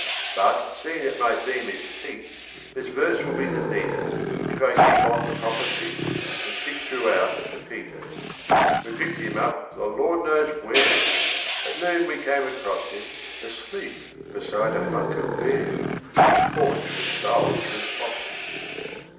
But, seeing that my theme is Pete, This verse will be the neater If I keep on the proper beat, And stick throughout to Peter. We picked him up the Lord knows where! At noon we came across him Asleep beside a hunk of bear His paunch was bulged with 'possum.